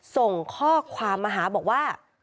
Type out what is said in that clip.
ส่งข้อความมาหาบอกว่า